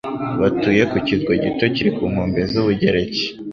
Batuye ku kirwa gito kiri ku nkombe z'Ubugereki.